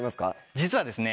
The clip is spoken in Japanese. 実はですね